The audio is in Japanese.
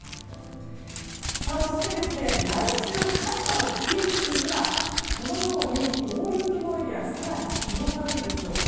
そして、来週寒波のピーク時にはこのように大雪のエリア更に広がるんですよ。